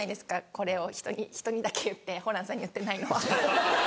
これを人にだけ言ってホランさんに言ってないのは。